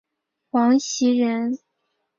王袭人。